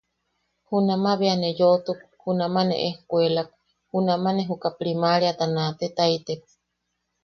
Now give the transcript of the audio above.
Junama bea ne yoʼotuk, junama ne ejkuelak, junama ne juka primaariata naatetaitek.